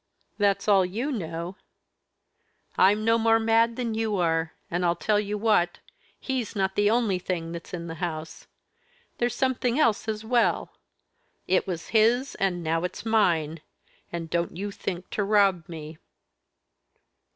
That's all you know, I'm no more mad than you are. And I tell you what he's not the only thing that's in the house. There's something else as well. It was his, and now it's mine. And don't you think to rob me."